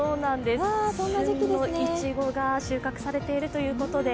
旬のいちごが収穫されているということで。